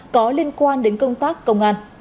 có liên quan đến công tác công an